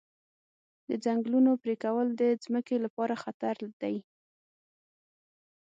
د ځنګلونو پرېکول د ځمکې لپاره خطر دی.